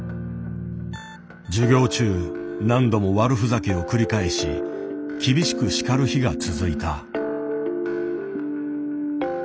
授業中何度も悪ふざけを繰り返し厳しく叱る日が続いた。